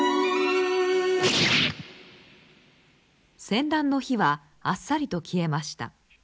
戦乱の火はあっさりと消えました。